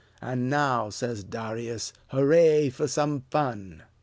"An' now," says Darius, "hooray fer some fun!"